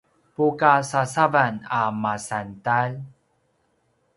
pukasasavan a masantalj